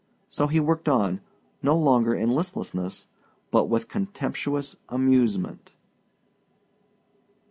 So he worked on, no longer in listlessness, but with contemptuous amusement.